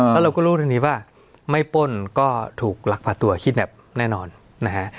แล้วเราก็รู้เรื่องนี้ว่าไม่ป้นก็ถูกลักพาตัวคิดแบบแน่นอนนะฮะ